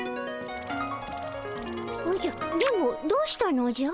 おじゃ電ボどうしたのじゃ？